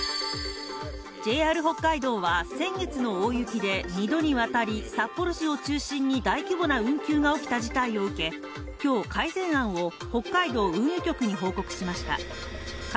ＪＲ北海道は先月の大雪で２度にわたり札幌市を中心に大規模な運休が起きた事態を受け今日改善案を北海道運輸局に報告しました